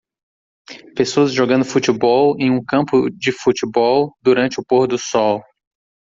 Pessoas jogando futebol em um campo de futebol durante o pôr do sol